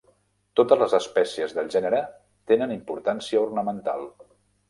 Totes les espècies del gènere tenen importància ornamental.